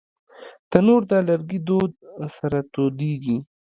تنور د لرګي دود سره تودېږي